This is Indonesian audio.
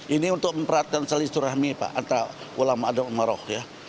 ini untuk memperhatikan selisih terahmi pak antara ulama dan umaroh